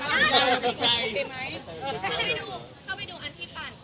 เข้าไปดูอันที่ปั่น